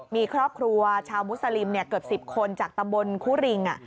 มีครอบครัวชาวมุสลิมเกือบ๑๐คนจากตำบลคุริง